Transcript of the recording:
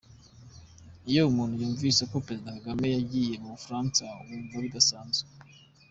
Iyo umuntu yumvise ko Perezida Kagame yagiye mu bufaransa yumva bidasanzwe .